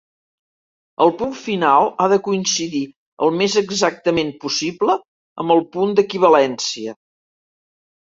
El punt final ha de coincidir el més exactament possible amb el punt d'equivalència.